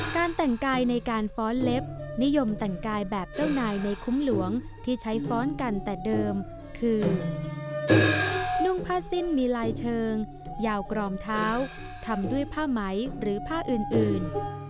การแต่งกายในการฟ้อนเล็บนิยมแต่งกายแบบเจ้านายในคุ้มหลวงที่ใช้ฟ้อนกันแต่เดิมคือนุ่งผ้าสิ้นมีลายเชิงยาวกรอมเท้าทำด้วยผ้าไหมหรือผ้าอื่น